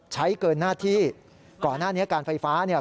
ใช้เกินหน้าที่ก่อนหน้านี้การไฟฟ้าเนี่ย